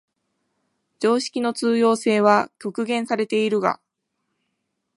常識の通用性は局限されているが、